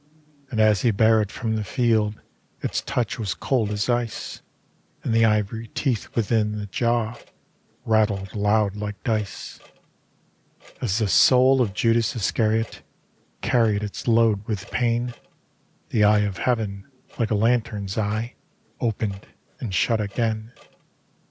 And as he bare it from the field Its touch was cold as ice, And the ivory teeth within Ae jaw Rattled aloud, like dice. As the soul of Judas Iscariot Carried its load with pain, The Eye of Heaven, like a lantern's eye, Opened and shut again.